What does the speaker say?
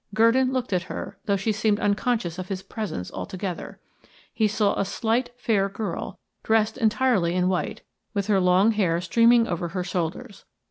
Gurdon looked at her, though she seemed unconscious of his presence altogether. He saw a slight, fair girl, dressed entirely in white, with her long hair streaming over her shoulders.